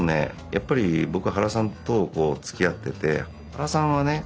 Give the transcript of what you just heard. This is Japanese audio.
やっぱり僕は原さんとつきあってて原さんはね